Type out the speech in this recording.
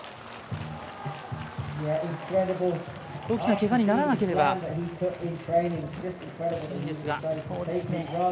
大きなけがにならなければいいですが。